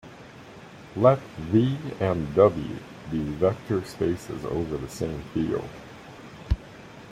Let V and W be vector spaces over the same field.